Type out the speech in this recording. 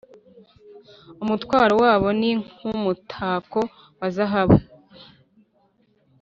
, umutwaro wabwo ni nk’umutako wa zahabu,